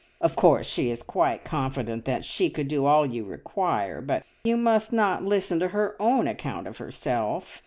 "Of course, she is quite confident that she could do all you require, but you must not listen to her own account of herself.